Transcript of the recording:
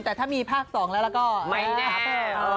แต่ถ้ามีภาค๒แล้วก็ไม่แน่